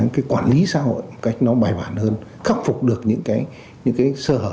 cái quản lý xã hội một cách nó bài bản hơn khắc phục được những cái sơ hở